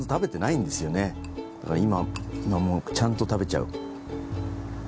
今今もうちゃんと食べちゃう。